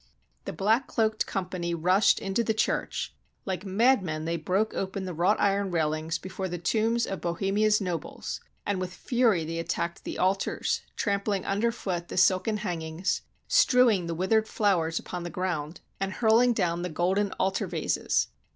The black cloaked company rushed into the church. Like madmen they broke open the wrought iron railings before the tombs of Bohemia's nobles, and with fury they attacked the altars, trampling under foot the silken hangings, strewing the withered flowers upon the ground, and hurling down the golden altar vases.